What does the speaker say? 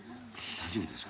大丈夫です。